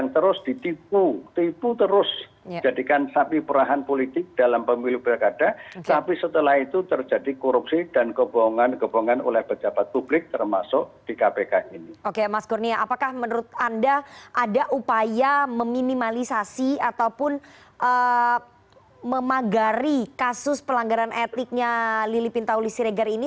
tindak pidana korupsi yang dilakukan oleh pimpinannya sendiri